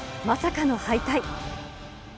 まさかの敗退。